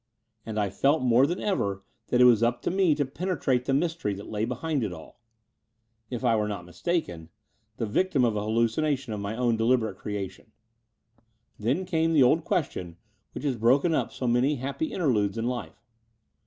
And I felt more than ever that it was up to me to penetrate the mjrstery that lay behind it all — if I were not mistaken, the victim of an hallucina tion of my own deliberate creation. Then came the old question which has broken up so many happy interludes in life.